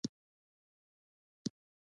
اوبو زه پر خپله مخه پسې واخیستم.